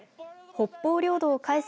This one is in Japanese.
北方領土を返せ。